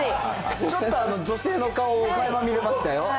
ちょっと女性の顔をかいま見れましたよ。